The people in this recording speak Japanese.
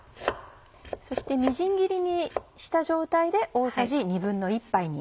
そしてみじん切りにした状態で大さじ１／２杯に。